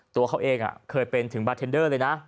ตัวเขาเองเคยเป็นถึงบาร์เทนเดอร์เลยนะ